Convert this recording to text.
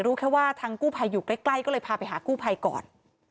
รู้แค่ว่าทางกู้ภัยอยู่ใกล้ก็เลยพาไปหากู้ภัยก่อน